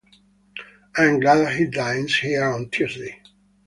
I am glad he dines here on Tuesday.